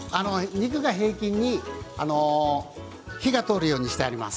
肉が平均に火が通るようにしてあります。